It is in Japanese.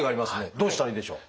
どうしたらいいでしょう？